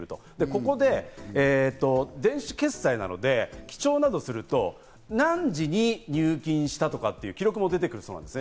ここで電子決済などで記帳などをすると何時に入金したとかいう記録も出てくるそうです。